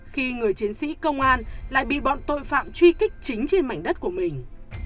khi người chiến sĩ công an lại bị bọn tội phạm truy kích chính trên mảnh đất của mình